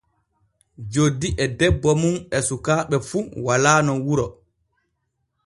Joddi e debbo mum e sukaaɓe fu walaano wuro.